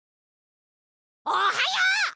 おはよう！